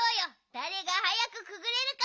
だれがはやくくぐれるか。